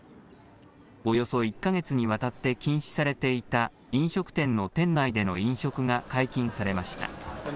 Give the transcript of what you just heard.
およそ１か月にわたって禁止されていた飲食店の店内での飲食が解禁されました。